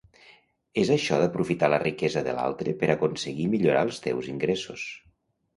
És això d'aprofitar la riquesa de l'altre per aconseguir millorar els teus ingressos.